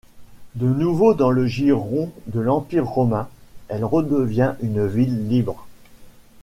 De nouveau dans le giron de l'Empire romain, elle redevient une ville libre.